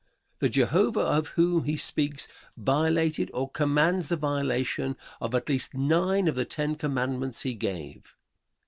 The Jehovah of whom he speaks violated, or commands the violation of at least nine of the Ten Commandments he gave.